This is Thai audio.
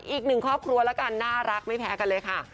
อีกหนึ่งครอบครัวแล้วกันน่ารักไม่แพ้กันเลยค่ะ